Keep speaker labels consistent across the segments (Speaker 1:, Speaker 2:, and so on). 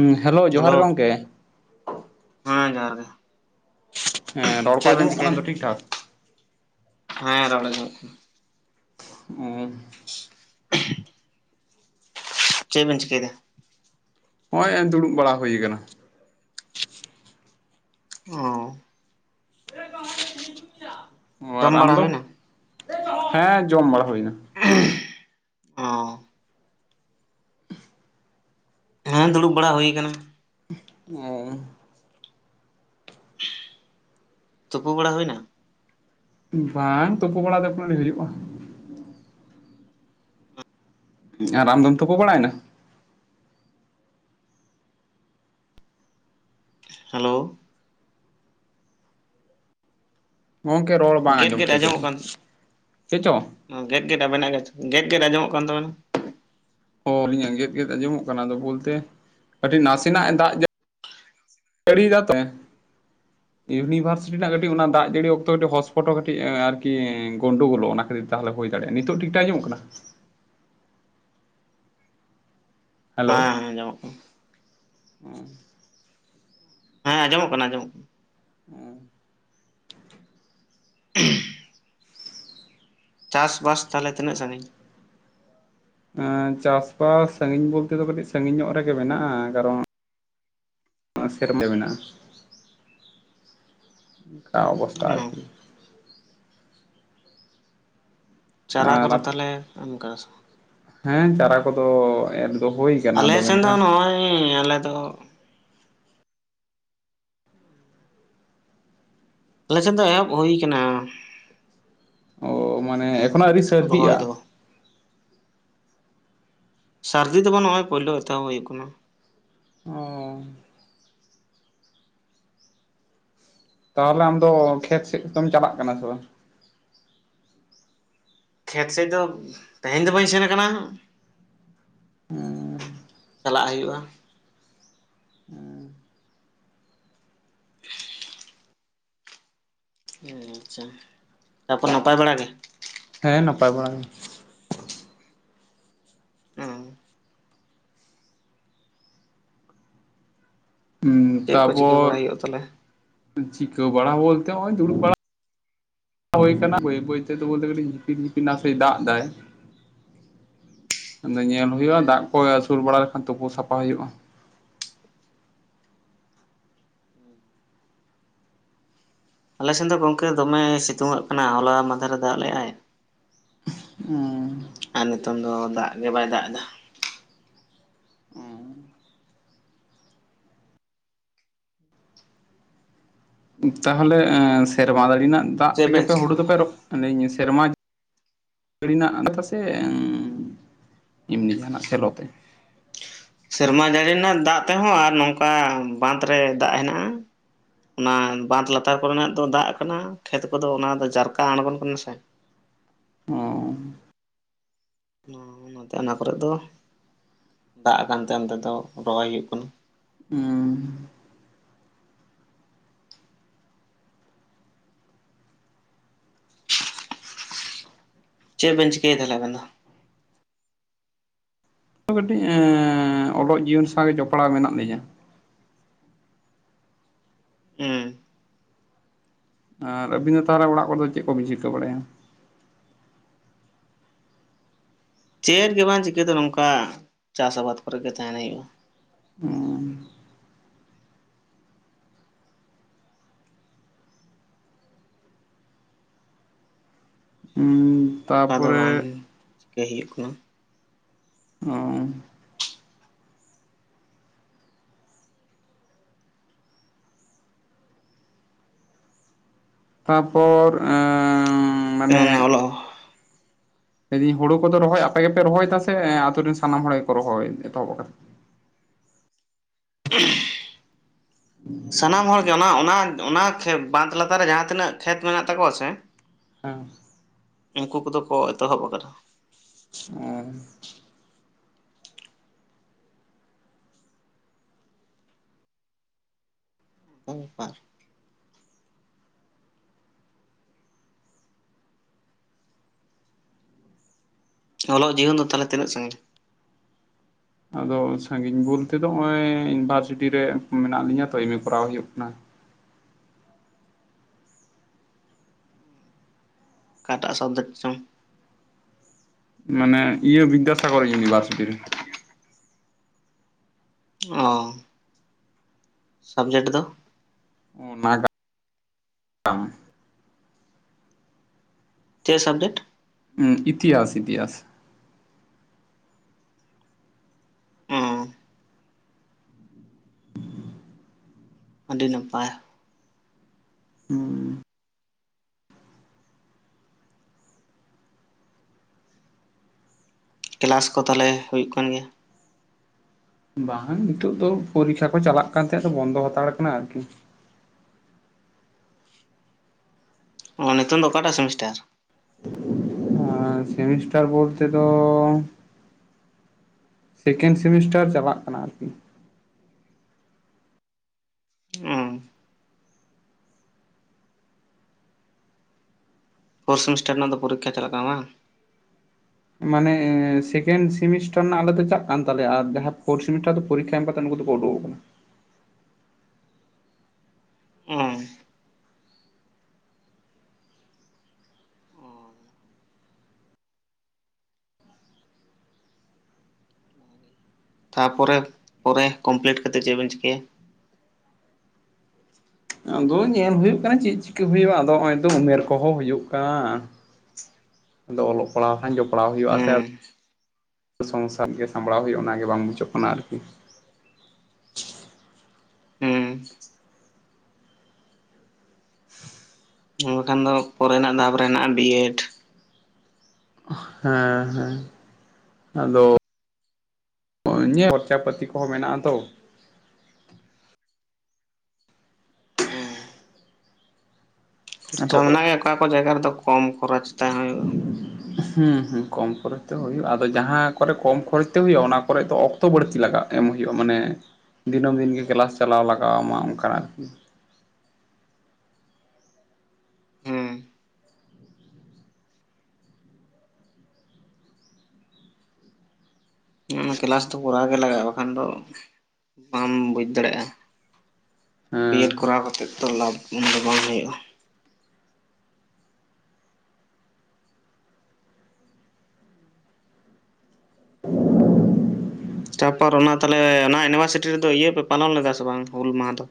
Speaker 1: ᱩᱸ ᱦᱮᱞᱳ ᱡᱚᱦᱟᱨ ᱜᱮ ᱜᱚᱝᱠᱮ
Speaker 2: ᱦᱮᱸ ᱡᱚᱦᱟᱨ ᱜᱮ
Speaker 1: ᱮᱸᱻ ᱨᱚᱲ ᱠᱚ
Speaker 2: ᱪᱮᱫ ᱵᱮᱱ
Speaker 1: ᱟᱸᱡᱚᱢᱚᱜ ᱠᱟᱱᱟ
Speaker 2: ᱪᱤᱠᱟᱹᱭᱮᱫᱟ
Speaker 1: ᱛᱚ ᱴᱷᱤᱠ ᱴᱷᱟᱠ
Speaker 2: ᱦᱮᱸ [unintelligible]
Speaker 1: [unintelligible]
Speaker 2: ᱪᱮᱜ ᱵᱤᱱ ᱪᱤᱠᱟᱹᱭ ᱫᱟ
Speaker 1: ᱦᱚᱸᱜ ᱚᱭ ᱮᱢ ᱫᱩᱲᱩᱵ ᱵᱟᱲᱟ ᱦᱳᱭ ᱠᱟᱱᱟ
Speaker 2: ᱚ
Speaker 1: ᱚ
Speaker 2: ᱡᱚᱢ
Speaker 1: ᱟᱨ ᱟᱢ
Speaker 2: ᱵᱟᱲᱟ
Speaker 1: ᱫᱚ
Speaker 2: ᱦᱩᱭᱱᱟ
Speaker 1: ᱦᱮᱸ ᱡᱚᱢ ᱵᱟᱲᱟ ᱦᱩᱭᱱᱟ
Speaker 2: ᱚ ᱦᱮᱸ ᱫᱩᱲᱩᱵ ᱵᱟᱲᱟ ᱦᱳᱭ ᱠᱟᱱᱟ
Speaker 1: [unintelligible]
Speaker 2: ᱛᱩᱯᱩ ᱵᱟᱲᱟ ᱦᱩᱭᱱᱟ
Speaker 1: ᱵᱟᱝ ᱛᱳᱯᱳ ᱵᱟᱲᱟ ᱫᱚ ᱮᱠᱷᱚᱱᱚ ᱟᱣᱨᱤ ᱦᱩᱭᱩᱜᱼᱟ ᱟᱨ ᱟᱢ ᱫᱚᱢ ᱛᱚᱯᱚ ᱵᱟᱲᱟᱭ ᱮᱱᱟ
Speaker 2: ᱦᱮᱞᱳ
Speaker 1: ᱜᱚᱢᱠᱮ ᱨᱚᱲ ᱵᱟᱝ
Speaker 2: ᱜᱮᱫ
Speaker 1: ᱟᱸᱡᱚᱢ
Speaker 2: ᱜᱮᱫ
Speaker 1: ᱴᱷᱤᱠᱟᱜ
Speaker 2: ᱟᱸᱡᱚᱢᱚᱜ ᱠᱟᱱ
Speaker 1: ᱪᱮᱫ ᱪᱚᱝ
Speaker 2: ᱜᱮᱫ ᱜᱮᱫ ᱟᱵᱤᱱᱟᱜ ᱜᱮ ᱜᱮᱫ ᱜᱮᱫ ᱟᱸᱡᱚᱢᱚᱜ ᱠᱟᱱ ᱛᱟᱵᱤᱱᱟ
Speaker 1: ᱚ ᱟᱹᱞᱤᱧᱟᱜ ᱜᱮᱫ ᱜᱮᱫ ᱟᱸᱡᱚᱢᱚᱜ ᱠᱟᱱᱟ ᱟᱫᱚ ᱵᱚᱞᱛᱮ ᱟᱹᱰᱤ ᱱᱟᱥᱮᱱᱟᱜ ᱮ ᱫᱟᱜ ᱡᱟᱯᱩᱫ ᱠᱟᱹᱲᱤ ᱫᱟᱯᱮ
Speaker 2: [inaudible]
Speaker 1: ᱤᱭᱩᱱᱤᱵᱷᱟᱨᱥᱤᱴᱤ ᱨᱮᱱᱟᱜ ᱠᱟᱹᱴᱤᱡ ᱚᱱᱟ ᱫᱟᱜ ᱡᱟᱹᱲᱤ ᱚᱠᱛᱚ ᱠᱟᱹᱴᱤᱡ ᱦᱚᱴᱥᱯᱚᱴ ᱦᱚᱸ ᱠᱟᱹᱴᱤᱡ ᱟᱨᱠᱤ ᱜᱚᱱᱰᱚ ᱜᱚᱞᱚᱜ ᱚᱱᱟ ᱠᱷᱟᱹᱛᱤᱨ ᱛᱮ ᱛᱟᱦᱮᱞᱮ ᱦᱩᱭ ᱫᱟᱲᱮᱭᱟᱜ ᱱᱤᱛᱚᱜ ᱴᱷᱤᱠ ᱴᱷᱟ ᱟᱡᱚᱢ ᱚᱜ ᱠᱟᱱᱟ
Speaker 2: ᱦᱮᱸ ᱦᱮᱸ ᱟᱡᱚᱢᱚᱜ ᱠᱟᱱᱟ
Speaker 1: ᱦᱮᱸ
Speaker 2: ᱦᱮᱸᱟᱡᱚᱢᱚᱜ ᱠᱟᱱᱟ ᱟᱸᱚᱢᱚᱜ ᱠᱟᱱᱟ
Speaker 1: ᱚᱸ
Speaker 2: [unintelligible] ᱪᱟᱥ ᱵᱟᱥ ᱛᱟᱦᱚᱞᱮ ᱛᱤᱱᱟᱹᱜ ᱥᱟᱺᱜᱤᱧ
Speaker 1: ᱪᱟᱥ ᱵᱟᱥ ᱥᱟᱺᱜᱤᱧ ᱵᱚᱞᱛᱮ ᱫᱚ ᱠᱟᱹᱴᱤᱡ ᱥᱟᱺᱜᱤᱧ ᱧᱚᱜ ᱨᱮᱜᱮ ᱢᱮᱱᱟᱜᱼᱟ ᱠᱟᱨᱚᱱ ᱥᱮᱨᱛᱮ ᱢᱮᱱᱟᱜᱼᱟ ᱚᱝᱠᱟ ᱚᱵᱚᱥᱛᱟ
Speaker 2: ᱚ
Speaker 1: ᱟᱨᱠᱤ
Speaker 2: ᱪᱟᱨᱟ
Speaker 1: ᱟᱨ
Speaker 2: ᱠᱚᱫᱚ ᱛᱟᱦᱮᱞᱮ ᱮᱢ ᱠᱟᱫᱟ ᱥᱮ ᱠᱟᱝ
Speaker 1: ᱦᱮᱸ ᱪᱟᱨᱟ ᱠᱚᱫᱚ ᱮᱨ ᱫᱚ ᱦᱩᱭ ᱠᱟᱱᱟ ᱟᱫᱚ
Speaker 2: ᱟᱞᱮᱥᱮᱱ ᱫᱚ
Speaker 1: ᱢᱮᱱᱠᱷᱟᱱ
Speaker 2: ᱱᱚᱜᱼᱚᱭ ᱟᱞᱮ ᱫᱚ ᱟᱞᱮ ᱥᱮᱫ ᱫᱚ ᱮᱦᱚᱵ ᱦᱩᱭ ᱟᱠᱟᱱᱟ
Speaker 1: ᱚ ᱢᱟᱱᱮ ᱮᱠᱷᱚᱱᱚ ᱟᱹᱣᱨᱤ ᱥᱟᱨᱫᱤᱜᱼᱟ
Speaker 2: ᱨᱚᱦᱚᱭ ᱫᱚ ᱥᱟᱹᱨᱫᱤ ᱫᱚ ᱱᱚᱜᱼᱚᱭ ᱯᱩᱭᱞᱩ ᱮᱛ ᱦᱚᱵ ᱦᱩᱭᱩᱜ ᱠᱟᱱᱟ
Speaker 1: ᱚᱸ ᱛᱟᱦᱚᱞᱮ ᱟᱢ ᱫᱚ ᱠᱷᱮᱛ ᱥᱮᱫ ᱠᱚ ᱫᱚᱢ ᱪᱟᱞᱟᱜ ᱠᱟᱱᱟ ᱥᱮ ᱵᱟᱝ
Speaker 2: ᱠᱷᱮᱛ ᱥᱮᱫ ᱫᱚ ᱛᱮᱦᱮᱧ ᱫᱚ ᱵᱟᱹᱧ ᱥᱮᱱ ᱟᱠᱟᱱᱟ
Speaker 1: ᱦᱮᱸ
Speaker 2: ᱪᱟᱞᱟᱜ ᱦᱩᱭᱩᱜᱼᱟ
Speaker 1: ᱦᱮᱸ
Speaker 2: ᱟᱪ ᱪᱷᱟ ᱛᱟᱯᱚᱨ ᱱᱟᱯᱟᱭ ᱵᱟᱲᱟ ᱜᱮ
Speaker 1: ᱦᱮᱸ ᱱᱟᱯᱟᱭ ᱵᱟᱲᱟ ᱜᱮ
Speaker 2: ᱪᱮᱫ ᱠᱚ ᱪᱤᱠᱟᱹ
Speaker 1: ᱛᱟᱨᱯᱚᱨ
Speaker 2: ᱵᱟᱲᱟᱭ ᱦᱩᱭᱩᱜᱼᱟ ᱛᱟᱦᱚᱞᱮ
Speaker 1: ᱪᱤᱠᱟᱹ ᱵᱟᱲᱟ ᱵᱚᱞᱛᱮ ᱱᱚᱜ ᱚᱭ ᱫᱩᱲᱩᱵ ᱵᱟᱲᱟ ᱦᱩᱭ ᱠᱟᱱᱟ ᱵᱟᱹᱭ ᱵᱟᱹᱭ ᱠᱟᱹᱴᱤᱡ ᱡᱤᱯᱤᱨ ᱡᱤᱯᱤᱨ ᱱᱟᱥᱮ ᱫᱟᱜ ᱮᱫᱟᱭ ᱟᱫᱚ ᱧᱮᱞ ᱦᱩᱭᱩᱜᱼᱟ ᱫᱟᱜ ᱠᱚ ᱟᱹᱥᱩᱨ ᱵᱟᱲᱟ ᱞᱮᱠᱷᱟᱱ ᱛᱩᱯᱩ ᱥᱟᱯᱷᱟ ᱦᱩᱭᱩᱜᱼᱟ
Speaker 2: ᱟᱞᱮ ᱥᱮᱫ ᱫᱚ ᱜᱚᱢᱠᱮ ᱫᱚᱢᱮ ᱥᱤᱛᱩᱝᱜ ᱠᱟᱱᱟ ᱦᱚᱞᱟ ᱢᱟᱫᱷᱮᱨ ᱨᱮ ᱫᱟᱜ ᱞᱮᱫᱟᱭ
Speaker 1: ᱦᱸ
Speaker 2: ᱟᱨ ᱱᱤᱛᱚᱝ ᱫᱚ ᱫᱟᱜ ᱜᱮ ᱵᱟᱭ ᱫᱟᱜ ᱮᱫᱟ
Speaker 1: [inaudible] ᱛᱟᱦᱮᱞᱮ ᱥᱮᱨᱢᱟ ᱡᱟᱹᱲᱤ ᱨᱮᱱᱟᱜ ᱫᱟᱜ
Speaker 2: ᱪᱮᱫ
Speaker 1: ᱛᱮᱜᱮ
Speaker 2: ᱵᱮᱱ
Speaker 1: ᱯᱮ
Speaker 2: ᱪᱤᱠᱟᱹ
Speaker 1: ᱦᱩᱲᱩ ᱫᱚᱯᱮ ᱨᱚᱜᱧ ᱥᱮᱨᱢᱟ ᱢᱤᱱᱤ ᱨᱮᱱᱟᱜ ᱟᱮᱛ ᱥᱮ ᱮᱢᱱᱤ ᱡᱟᱦᱟᱱᱟᱜ ᱥᱮᱞᱚ ᱛᱮ
Speaker 2: ᱥᱮᱨᱢᱟ ᱡᱟᱹᱲᱤ ᱨᱮᱱᱟᱜ ᱫᱟᱜ ᱛᱮᱦᱚᱸ ᱟᱨ ᱱᱚᱝᱠᱟ ᱵᱟᱸᱫ ᱨᱮ ᱫᱟᱜ ᱦᱮᱱᱟᱜᱼᱟ ᱚᱱᱟ ᱵᱟᱸᱫᱽ ᱞᱟᱛᱟᱨ ᱠᱚᱨᱮᱱᱟᱜ ᱫᱚ ᱫᱟᱜ ᱠᱟᱱᱟ ᱠᱷᱮᱛ ᱠᱚᱫᱚ ᱚᱱᱟ ᱫᱚ ᱡᱟᱨᱠᱟ ᱟᱬᱜᱚᱱ ᱠᱟᱱᱟ
Speaker 1: ᱚᱸᱻ
Speaker 2: ᱚᱱᱟ ᱠᱚᱨᱮ ᱫᱚ ᱫᱟᱜ ᱟᱠᱟᱱᱛᱮ ᱚᱱᱛᱮ ᱫᱚ ᱨᱚᱦᱚᱭ ᱦᱩᱭᱩᱜ ᱠᱟᱱᱟ
Speaker 1: ᱦᱩᱸ
Speaker 2: ᱪᱮᱫ ᱵᱤᱱ ᱪᱤᱠᱟᱭᱟ ᱛᱟᱦᱮᱞᱮ ᱟᱹᱵᱤᱱ ᱫᱚ
Speaker 1: ᱠᱟᱹᱴᱤᱡ ᱚᱞᱚᱜ ᱡᱤᱭᱚᱱ ᱥᱟᱶᱜᱮ ᱡᱚᱯᱲᱟᱣ ᱢᱮᱱᱟᱜ ᱞᱤᱧᱟᱹ
Speaker 2: ᱦᱩᱸ
Speaker 1: ᱟᱨ ᱟᱹᱵᱤᱱ ᱫᱚ ᱛᱟᱦᱚᱞᱮ ᱚᱲᱟᱜ ᱠᱚᱫᱚ ᱪᱮᱫ ᱠᱚᱵᱤᱱ ᱪᱤᱠᱟᱹ ᱵᱟᱲᱟᱭᱟ
Speaker 2: ᱪᱮᱫ ᱜᱮ ᱵᱟᱝ ᱪᱤᱠᱟᱹ ᱫᱚ ᱱᱚᱝᱠᱟ ᱪᱟᱥ ᱟᱵᱟᱫᱽ ᱠᱚᱨᱮ ᱜᱮ ᱛᱟᱦᱮᱱ ᱦᱩᱭᱩᱜ-ᱟ
Speaker 1: ᱦᱩᱸ ᱩᱸ
Speaker 2: ᱚᱱᱠᱟ ᱫᱚ ᱵᱟᱝ
Speaker 1: ᱛᱟᱯᱚᱨᱮ
Speaker 2: ᱪᱤᱠᱟᱹᱭ ᱦᱩᱭᱩᱜ ᱠᱟᱱᱟ
Speaker 1: ᱚ ᱛᱟᱯᱚᱨ ᱮᱻᱻ ᱢᱟᱱᱮ
Speaker 2: ᱚᱱᱮ ᱚᱞᱚᱜ
Speaker 1: ᱞᱟᱹᱭᱫᱟᱹᱧ ᱦᱩᱲᱩ ᱠᱚᱫᱚ ᱨᱚᱦᱚᱭ ᱟᱯᱮ ᱜᱮᱯᱮ ᱨᱚᱦᱚᱭᱮᱫᱟ ᱥᱮ ᱟᱛᱩ ᱨᱮᱱ ᱥᱟᱱᱟᱢ ᱦᱚᱲ ᱜᱮᱠᱚ ᱨᱚᱦᱚᱭ ᱮᱛᱚᱦᱚᱵ ᱠᱟ
Speaker 2: ᱦᱮᱸ ᱥᱟᱱᱟᱢ ᱦᱚᱲ ᱜᱮ ᱚᱱᱟ ᱚᱱᱟ ᱚᱱᱟ ᱵᱟᱸᱫᱽ ᱞᱟᱛᱟᱨ ᱨᱮ ᱡᱟᱦᱟᱸ ᱛᱤᱱᱟᱹᱜ ᱠᱷᱮᱛ ᱢᱮᱱᱟᱜ ᱛᱟᱠᱚᱣᱟ ᱥᱮ
Speaker 1: ᱦᱮᱸ
Speaker 2: ᱩᱱᱠᱩ ᱠᱚᱫᱚ ᱠᱚ ᱮᱛᱚᱦᱚᱵ ᱟᱠᱟᱫᱟ
Speaker 1: ᱚᱸ
Speaker 2: ᱵᱟᱨ ᱚᱞᱚᱜ ᱡᱤᱭᱚᱱ ᱫᱚ ᱛᱟᱞᱦᱮ ᱛᱤᱱᱟᱹᱜ ᱥᱟᱺᱜᱤᱟ
Speaker 1: ᱟᱫᱚ ᱥᱟᱺᱜᱤᱧ ᱵᱚᱞ ᱛᱮᱫᱚ ᱱᱚᱜᱼᱚᱭ ᱤᱭᱩᱱᱤᱵᱷᱟᱨᱥᱤᱴᱤ ᱨᱮ ᱢᱮᱱᱟᱜ ᱞᱤᱧᱟᱹ ᱛᱚ ᱮᱢ ᱮ ᱠᱚᱨᱟᱣ ᱦᱩᱭᱩᱜ ᱠᱟᱱᱟ
Speaker 2: ᱠᱟᱴᱟᱜ ᱥᱚᱵᱡ ᱪᱚᱝ
Speaker 1: ᱢᱟᱱᱮ ᱤᱭᱟᱹ ᱵᱤᱫᱟᱹᱥᱟᱜᱚᱨ ᱤᱭᱩᱱᱤᱵᱷᱟᱨᱥᱤᱴᱤ ᱨᱮ
Speaker 2: ᱚ ᱥᱟᱵᱽᱡᱮᱠᱴ ᱫᱚ
Speaker 1: ᱚᱱᱟ
Speaker 2: ᱪᱮᱫ ᱥᱟᱵᱽᱡᱮᱴ
Speaker 1: ᱦᱩᱸ ᱤᱛᱤᱦᱟᱥ ᱤᱛᱤᱦᱟᱥ
Speaker 2: ᱚ ᱟᱹᱰᱤ ᱱᱟᱯᱟᱭ
Speaker 1: ᱦᱩᱸ
Speaker 2: ᱠᱮᱞᱟᱥ ᱠᱚ ᱛᱟᱞᱚᱞᱮ ᱦᱩᱭᱩᱜ ᱠᱟᱱ ᱜᱮᱭᱟ
Speaker 1: ᱵᱟᱝ ᱱᱤᱛᱚᱜ ᱫᱚ ᱯᱚᱨᱤᱠᱷᱟ ᱠᱚ ᱪᱟᱞᱟᱜ ᱠᱟᱱ ᱛᱟᱦᱮᱸ ᱵᱚᱱᱫᱚ ᱦᱟᱛᱟᱲ ᱠᱟᱱᱟ ᱟᱨᱠᱤ
Speaker 2: ᱚ ᱱᱤᱛᱚᱝ ᱫᱚ ᱚᱠᱟᱴᱟᱜ ᱥᱮᱢᱤᱥᱴᱟᱨ
Speaker 1: ᱥᱮᱢᱤᱥᱴᱟᱨ ᱵᱚᱞᱛᱮ ᱫᱚ ᱥᱮᱠᱮᱱᱰ ᱥᱮᱢᱤᱥᱴᱟᱨ ᱪᱟᱵᱟᱜ ᱠᱟᱱᱟ ᱟᱨᱠᱤ
Speaker 2: ᱚ ᱯᱷᱳᱨ ᱥᱮᱢᱤᱥᱴᱟᱨ ᱨᱮᱱᱟᱜ ᱫᱚ ᱯᱚᱨᱤᱠᱠᱷᱟ ᱪᱟᱞᱟᱜ ᱠᱟᱱᱟ ᱵᱟᱝ
Speaker 1: ᱢᱟᱱᱮ ᱥᱮᱠᱮᱱᱰ ᱥᱮᱢᱤᱥᱴᱟᱨ ᱨᱮᱱᱟᱜ ᱟᱞᱮ ᱫᱚ ᱪᱟᱜ ᱠᱟᱱ ᱛᱟᱞᱮᱭᱟ ᱟᱨ ᱡᱟᱦᱟᱸ ᱯᱷᱳᱨᱰ ᱥᱮᱢᱤᱥᱴᱟᱨ ᱫᱚ ᱯᱚᱨᱤᱠᱠᱷᱟ ᱮᱢ ᱠᱟ ᱛᱚ ᱱᱩᱠᱩ ᱠᱚᱫᱚ ᱠᱚ ᱳᱰᱳᱜ‌ ᱠᱟᱱᱟ
Speaker 2: ᱚ ᱚ ᱛᱟᱯᱚᱨᱮ ᱯᱚᱨᱮ ᱠᱚᱢᱯᱞᱤᱴ ᱠᱟᱛᱮᱫ ᱪᱮᱫ ᱵᱮᱱ ᱪᱤᱠᱟᱹᱭᱟ
Speaker 1: ᱟᱫᱚ ᱧᱮᱞ ᱦᱩᱭᱩᱜ ᱠᱟᱱᱟ ᱪᱮᱫ ᱪᱤᱠᱟᱹ ᱦᱩᱭᱩᱜ-ᱟ ᱟᱫᱚ ᱱᱚᱜ-ᱚᱭ ᱛᱚ ᱩᱢᱮᱨ ᱠᱚᱦᱚᱸ ᱦᱩᱭᱩᱜ ᱠᱟᱱᱟ ᱟᱫᱚ ᱚᱞᱚᱜ ᱯᱟᱲᱦᱟᱣ ᱠᱷᱟᱱ ᱡᱚᱯᱲᱟᱣ ᱦᱩᱭᱩᱜ-ᱟ ᱥᱮ
Speaker 2: ᱦᱩᱸ
Speaker 1: ᱥᱚᱝᱥᱟᱨ ᱜᱮ ᱥᱟᱢᱵᱲᱟᱣ ᱦᱩᱭᱩᱜ-ᱟ ᱚᱱᱟᱜ ᱜᱮ ᱵᱟᱝ ᱵᱩᱡᱷᱟᱹᱜ ᱠᱟᱱᱟ ᱟᱨᱠᱤ
Speaker 2: ᱦᱩᱸ ᱢᱮᱱ ᱵᱟᱠᱷᱟᱱ ᱫᱚ ᱯᱚᱨᱮᱱᱟᱜ ᱫᱷᱟᱯ ᱨᱮ ᱦᱮᱱᱟᱜᱼᱴ-ᱟ ᱵᱤᱭᱮᱰ
Speaker 1: ᱦᱮᱸ ᱦᱮᱸ ᱟᱫᱚ ᱤᱭᱟᱹ ᱠᱷᱚᱨᱪᱟ ᱯᱟᱹᱛᱤ ᱠᱚᱦᱚᱸ ᱢᱮᱱᱟᱜ-ᱟ ᱟᱛᱚ
Speaker 2: ᱦᱩᱸ ᱠᱷᱚᱨᱪᱟ
Speaker 1: ᱟᱫᱚ
Speaker 2: ᱢᱮᱱᱟᱜ ᱜᱮ ᱚᱠᱟ ᱠᱚ ᱡᱟᱭᱜᱟ ᱨᱮᱫᱚ ᱠᱚᱢ ᱠᱷᱚᱨᱚᱪ ᱛᱮᱦᱚᱸ ᱦᱩᱭᱩᱜ-ᱟ
Speaker 1: ᱠᱚᱢ ᱠᱷᱚᱨᱚᱪ ᱛᱮ ᱦᱩᱭᱩᱜ-ᱟ ᱟᱫᱚ ᱡᱟᱦᱟᱸ ᱠᱚᱨᱮ ᱠᱚᱢ ᱠᱷᱚᱨᱚᱪ ᱛᱮ ᱦᱩᱭᱩᱜ-ᱟ ᱚᱱᱟ ᱠᱚᱨᱮ ᱫᱚ ᱚᱠᱛᱚ ᱚᱠᱛᱚ ᱵᱟᱹᱲᱛᱤ ᱞᱟᱜᱟᱜ ᱮᱢ ᱦᱩᱭᱩᱜ-ᱟ ᱢᱟᱱᱮ ᱫᱤᱱᱟᱹᱢ ᱫᱤᱱᱜᱮ ᱠᱮᱞᱟᱥ ᱪᱟᱞᱟᱣ ᱞᱟᱜᱟᱣ ᱟᱢᱟ ᱚᱱᱠᱟᱱᱟᱜ ᱟᱨᱠᱤ
Speaker 2: ᱦᱩᱸ ᱠᱮᱞᱟᱥ ᱫᱚ ᱠᱚᱨᱟ ᱜᱮ ᱞᱟᱜᱟᱜ-ᱟ ᱵᱟᱠᱷᱟᱱ ᱫᱚ ᱵᱟᱢ ᱵᱩᱡ ᱫᱟᱲᱮᱭᱟᱜ-ᱟ ᱵᱤᱭᱮᱰ
Speaker 1: ᱦᱮᱸ ᱦᱮᱸ
Speaker 2: ᱠᱚᱨᱟᱣ ᱠᱟᱛᱮ ᱫᱚ ᱞᱟᱵᱷ ᱫᱚ ᱵᱟᱝ ᱦᱩᱭᱩᱜ-ᱟ ᱛᱟᱯᱚᱨ ᱚᱱᱟ ᱛᱟᱦᱚᱞᱮ ᱚᱱᱟ ᱤᱭᱩᱱᱤᱵᱷᱟᱨᱥᱤᱴᱤ ᱨᱮᱫᱚ ᱤᱭᱟᱹ ᱯᱮ ᱯᱟᱞᱚᱱ ᱞᱮᱫᱟ ᱥᱮ ᱵᱟᱝ ᱦᱩᱞ ᱢᱟᱦᱟ ᱫᱚ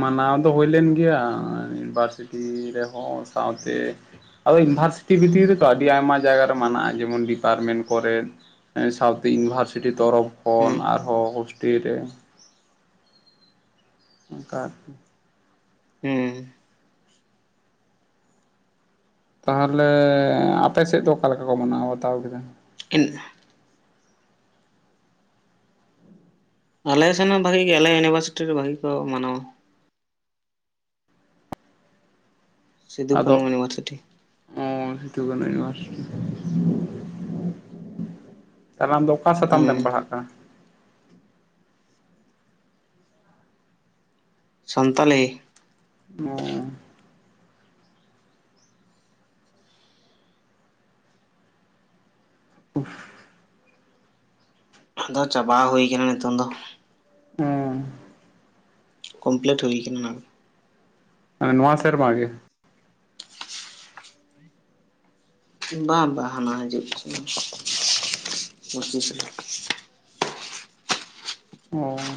Speaker 1: ᱢᱟᱱᱟᱣ ᱫᱚ ᱦᱩᱭ ᱞᱮᱱ ᱜᱮᱭᱟ ᱤᱭᱩᱱᱤᱵᱷᱟᱨᱥᱤᱴᱤ ᱨᱮᱦᱚᱸ ᱥᱟᱶᱛᱮ ᱟᱫᱚ ᱤᱭᱩᱱᱤᱵᱷᱟᱨᱥᱤᱴᱤ ᱵᱷᱤᱛᱨᱤ ᱨᱮ ᱛᱚ ᱟᱹᱰᱤ ᱟᱭᱢᱟ ᱡᱟᱭᱜᱟ ᱨᱮ ᱢᱟᱱᱟᱜ-ᱟ ᱡᱮᱢᱚᱱ ᱰᱤᱯᱟᱨᱢᱮᱱᱴ ᱠᱚᱨᱮ ᱥᱟᱶᱛᱮ ᱤᱭᱩᱱᱤᱵᱷᱟᱨᱥᱤᱴᱤ ᱛᱚᱨᱚᱯᱷ ᱠᱷᱚᱱ
Speaker 2: ᱦᱩᱸ
Speaker 1: ᱟᱨᱦᱚᱸ ᱦᱳᱥᱴᱮᱞ ᱨᱮ ᱚᱱᱠᱟ ᱟᱨᱠᱤ
Speaker 2: ᱦᱮᱸ
Speaker 1: ᱛᱟᱦᱚᱞᱮ ᱟᱯᱮ ᱥᱮᱫ ᱫᱚ ᱚᱠᱟᱞᱮᱠᱟ ᱠᱚ ᱢᱟᱱᱟᱣᱟ ᱵᱟᱛᱟᱣ ᱠᱮᱫᱟ
Speaker 2: [unintelligible] ᱟᱞᱮ ᱥᱮᱱ ᱦᱚᱸ ᱵᱷᱟᱜᱤ ᱜᱮ ᱟᱞᱮ ᱤᱭᱩᱱᱤᱵᱷᱟᱨᱥᱤᱴᱤ ᱨᱮ ᱵᱷᱟᱜᱤ ᱠᱚ ᱢᱟᱱᱟᱣᱟ᱾ ᱥᱤᱫᱩ ᱠᱟᱹᱱᱩ
Speaker 1: ᱟᱫᱚ
Speaker 2: ᱤᱭᱩᱱᱤᱵᱷᱟᱨᱥᱤᱴᱤ
Speaker 1: ᱚ ᱥᱤᱫᱩ ᱠᱟ. ᱱᱩ ᱤᱭᱩᱱᱤᱵᱷᱟᱨᱥᱤᱴᱤ ᱛᱟᱦᱚᱞᱮ ᱟᱢ ᱫᱚ ᱚᱠᱟ ᱥᱟᱛᱟᱢ
Speaker 2: ᱦᱩᱸ
Speaker 1: ᱛᱮᱢ ᱯᱟᱲᱦᱟᱜ ᱠᱟᱱᱟ?
Speaker 2: ᱥᱟᱱᱛᱟᱞᱤ
Speaker 1: ᱚ [inaudible]
Speaker 2: ᱟᱫᱚ ᱪᱟᱵᱟ ᱦᱩᱭ ᱠᱟᱱᱟ ᱱᱤᱛᱚᱝ ᱫᱚ
Speaker 1: ᱦᱮᱸ
Speaker 2: ᱠᱚᱢᱯᱞᱤᱴ ᱦᱩᱭ ᱠᱟᱱᱟ ᱱᱟᱝ
Speaker 1: ᱱᱱᱚᱣᱟ ᱥᱮᱨᱢᱟ ᱜᱮ
Speaker 2: ᱵᱟᱝ ᱵᱟᱝ ᱦᱟᱱᱟ ᱦᱤᱡᱩᱜ ᱠᱟᱱᱟ ᱯᱚᱸᱪᱤᱥ ᱨᱮ
Speaker 1: ᱚ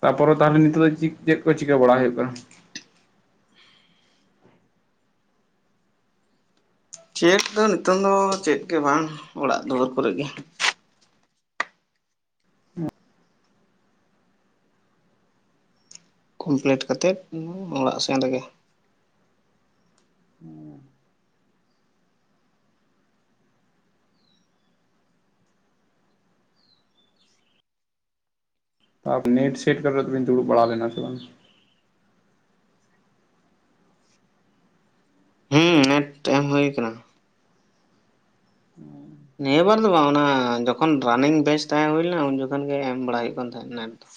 Speaker 1: ᱛᱟᱯᱚᱨᱮ ᱛᱟᱦᱚᱞᱮ ᱱᱤᱛᱚᱜ ᱫᱚ ᱪᱮᱫ ᱠᱚ ᱪᱤᱠᱟᱹ ᱵᱟᱲᱟ ᱦᱩᱭᱩᱜ ᱠᱟᱱᱟ?
Speaker 2: ᱪᱮᱫ ᱫᱚ ᱱᱤᱛᱚᱝ ᱫᱚ ᱪᱮᱫ ᱜᱮ ᱵᱟᱝ ᱚᱲᱟᱜ ᱫᱩᱣᱟᱹᱨ ᱠᱚᱨᱮ ᱜᱮ᱾
Speaker 1: [inaudible]
Speaker 2: ᱠᱚᱢᱯᱞᱤᱴ ᱠᱟᱛᱮᱫ ᱚᱲᱟᱜ ᱥᱮᱱ ᱨᱮᱜᱮ
Speaker 1: ᱛᱟᱨ ᱯᱚᱨ ᱱᱮᱴ ᱥᱮᱴ ᱠᱚᱨᱮ ᱫᱚᱵᱤᱱ ᱫᱩᱲᱩᱵ ᱵᱟᱲᱟ ᱞᱮᱱᱟ ᱥᱮ ᱵᱟᱝ?
Speaker 2: ᱦᱮᱸ ᱱᱮᱴ ᱮᱢ ᱦᱩᱭ ᱠᱟᱱᱟ᱾ ᱱᱤᱭᱟᱹ ᱵᱟᱨ ᱫᱚ ᱵᱟᱝ ᱚᱱᱟ ᱡᱚᱠᱷᱚᱱ ᱨᱟᱱᱤᱝ ᱵᱮᱪ ᱛᱟᱦᱮᱸ ᱦᱩᱭ ᱞᱮᱱᱟ ᱩᱱ ᱡᱚᱠᱷᱚᱱ ᱜᱮ ᱮᱢ ᱵᱟᱲᱟ ᱦᱩᱭᱩᱜ ᱠᱟᱱ ᱛᱟᱦᱮᱸᱜ᱾ [unintelligible]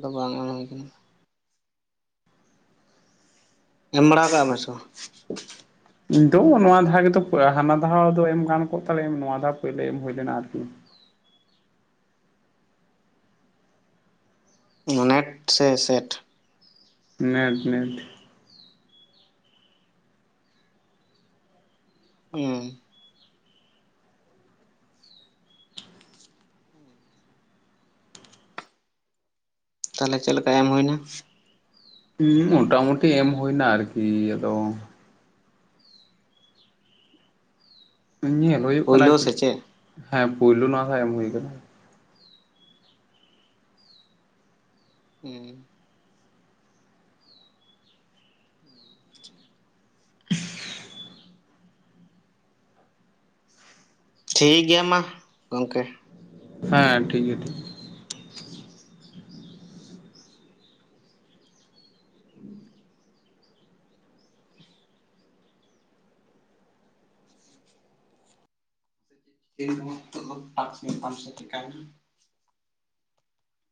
Speaker 2: ᱫᱚ ᱵᱟᱝ ᱚᱞ ᱦᱩᱭ ᱠᱟᱱᱟ ᱮᱢ ᱵᱟᱲᱟ ᱠᱟᱜ ᱵᱤᱱ ᱥᱮ ᱵᱟᱝ?
Speaker 1: ᱤᱧ ᱫᱚ ᱱᱚᱣᱟ ᱫᱷᱟᱣ ᱜᱮᱫᱚ ᱦᱟᱱᱟ ᱫᱷᱟ ᱫᱚ ᱮᱢ ᱜᱟᱱ ᱠᱚᱜ ᱛᱟᱞᱮ ᱱᱚᱣᱟ ᱫᱷᱟᱣ ᱯᱳᱭᱞᱳ ᱮᱢ ᱦᱩᱭ ᱞᱮᱱᱟ ᱟᱨᱠᱤ
Speaker 2: ᱱᱮᱴ ᱥᱮ ᱥᱮᱴ?
Speaker 1: ᱱᱮᱴ ᱱᱮᱴ
Speaker 2: ᱦᱩᱸ ᱦᱩᱸ ᱛᱟᱦᱚᱞᱮ ᱪᱮᱫ ᱞᱮᱠᱟ ᱮᱢ ᱦᱩᱭᱱᱟ?
Speaker 1: ᱦᱩᱸ ᱢᱚᱴᱟ ᱢᱩᱴᱤ ᱮᱢ ᱦᱩᱭᱱᱟ ᱟᱨᱠᱤ ᱟᱫᱚ ᱧᱮᱞ ᱦᱩᱭᱩᱜ ᱠᱟᱱᱟ
Speaker 2: ᱯᱳᱭᱞᱳ ᱥᱮ
Speaker 1: ᱪᱮᱫ ᱦᱮᱸ ᱯᱩᱭᱞᱩ ᱱᱚᱣᱟ ᱫᱚ ᱮᱢ ᱦᱩᱭ ᱠᱟᱱᱟ᱾
Speaker 2: ᱦᱮᱸ [unintelligible] ᱴᱷᱤᱠ ᱜᱮᱭᱟ ᱢᱟ ᱜᱚᱢᱠᱮ
Speaker 1: ᱦᱮᱸ ᱴᱷᱤᱠ ᱜᱮᱭᱟ ᱴᱷᱤᱠ
Speaker 2: ᱞᱟ. ᱭ ᱫᱤᱧ ᱟᱢᱟᱜ ᱴᱟᱠᱥ ᱧᱮᱞ ᱛᱟᱢ ᱥᱮ ᱪᱤᱠᱟ. ᱭᱮᱱᱟ?